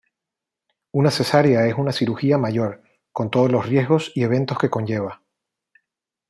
Una cesárea es una cirugía mayor, con todos los riesgos y eventos que conlleva.